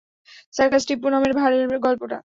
সার্কাসে টিপ্পো নামের ভাঁড়ের গল্পটা।